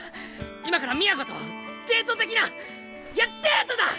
今から都とデート的ないやデートだ！